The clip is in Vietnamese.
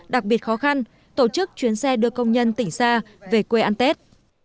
đặc biệt khó khăn tổ chức chuyến xe đưa công nhân tỉnh xa về quê ăn tết